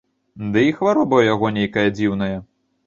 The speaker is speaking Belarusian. Ды і хвароба ў яго нейкая дзіўная.